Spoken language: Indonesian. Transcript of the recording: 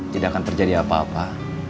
tidak akan terjadi apa apa